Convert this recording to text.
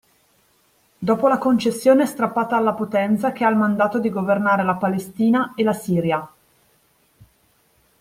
Dopo la concessione strappata alla Potenza che ha il mandato di governare la Palestina e la Siria.